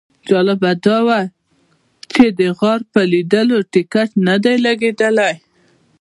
جالبه دا وه چې د غار پر لیدلو ټیکټ نه دی لګېدلی.